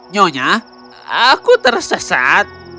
nyonya aku tersesat